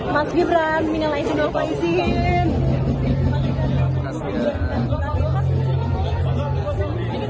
mas gibran minalai sindol paizin